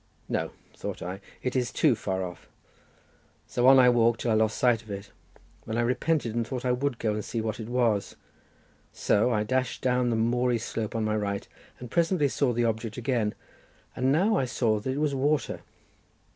"No," thought I. "It is too far off"—so on I walked till I lost sight of it, when I repented and thought I would go and see what it was. So I dashed down the moory slope on my right, and presently saw the object again—and now I saw that it was water.